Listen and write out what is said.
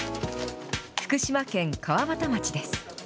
福島県川俣町です。